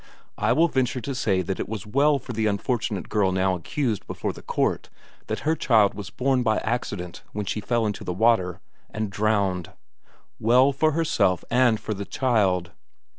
I will venture to say that it was well for the unfortunate girl now accused before the court that her child was born by accident when she fell into the water, and drowned. Well for herself and for the child.